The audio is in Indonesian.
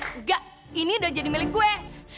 enggak ini udah jadi milik gue